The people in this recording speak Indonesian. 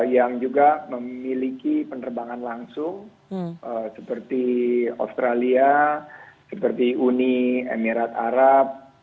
yang juga memiliki penerbangan langsung seperti australia seperti uni emirat arab